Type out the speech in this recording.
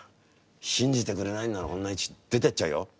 信じてくれないんならこんなうち出てっちゃうよ。